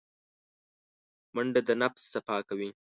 منډه د نفس صفا کوي